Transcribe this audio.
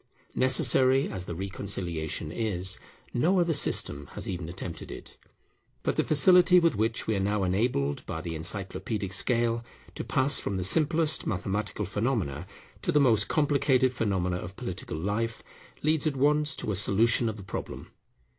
Necessary as the reconciliation is, no other system has even attempted it. But the facility with which we are now enabled, by the encyclopædic scale, to pass from the simplest mathematical phenomena to the most complicated phenomena of political life, leads at once to a solution of the problem.